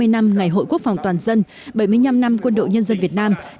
hai mươi năm ngày hội quốc phòng toàn dân bảy mươi năm năm quân đội nhân dân việt nam